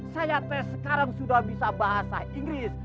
saya tes sekarang sudah bisa bahasa inggris